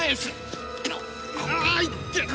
あいってえ。